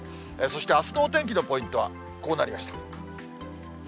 そしてあすのお天気のポイントはこうなりました。